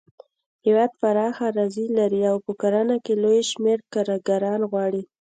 هېواد پراخه اراضي لري او په کرنه کې لوی شمېر کارګران غواړي.